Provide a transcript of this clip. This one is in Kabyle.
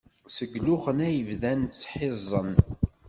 Seg luxen ay bdan ttḥiẓen.